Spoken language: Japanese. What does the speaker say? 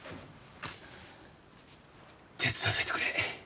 手伝わせてくれ。